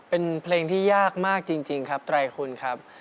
เป็นเพลงที่ยากมากจริงครับไตรคุณครับ